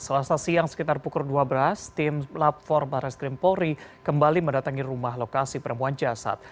selasa siang sekitar pukul dua belas tim lab empat barreskrim polri kembali mendatangi rumah lokasi penemuan jasad